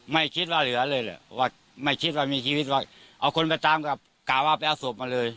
ไม่คิดว่าเหลือเลยแหละว่าไม่คิดว่ามีชีวิตไว้เอาคนไปตามกับกล่าวว่าไปเอาศพมาเลย